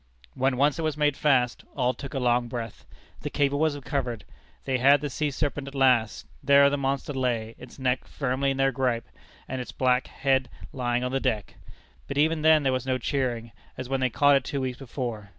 When once it was made fast, all took a long breath. The cable was recovered. They had the sea serpent at last. There the monster lay, its neck firmly in their gripe, and its black head lying on the deck. But even then there was no cheering, as when they caught it two weeks before.